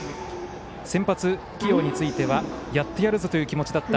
先発起用についてはやってやるぞという気持ちだった。